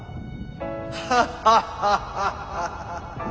ハハハハハ！